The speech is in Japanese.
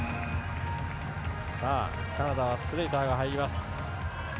カナダはスレイターが入ります。